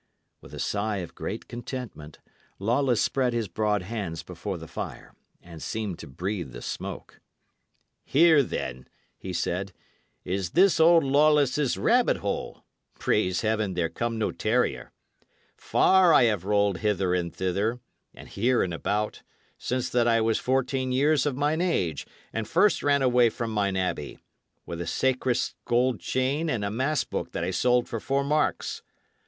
With a sigh of great contentment, Lawless spread his broad hands before the fire, and seemed to breathe the smoke. "Here, then," he said, "is this old Lawless's rabbit hole; pray Heaven there come no terrier! Far I have rolled hither and thither, and here and about, since that I was fourteen years of mine age and first ran away from mine abbey, with the sacrist's gold chain and a mass book that I sold for four marks.